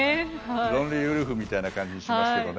ロンリーウルフみたいな感じがしますけどね。